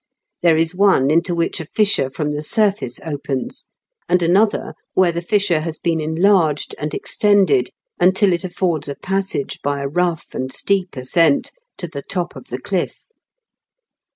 There is one into which a fissure from the surface opens, and another where the fissure has been enlarged and ex A NATURAL TUNNEL IN THE CLIFF. 266 tended until it affords a passage by a rough and steep ascent to the top of the cliff.